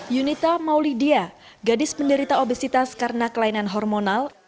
yunita maulidia gadis penderita obesitas karena kelainan hormonal